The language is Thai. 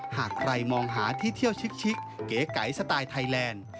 หากใครมองหาที่เที่ยวชิกเก๋ไก๋สไตล์ไทยแลนด์